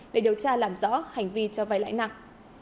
để điều tra làm rõ hành vi cho vay lãi nặng